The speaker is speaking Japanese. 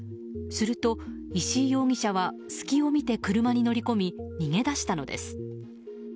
すると、石井容疑者は隙を見て車に乗り込み逃げ出したのです。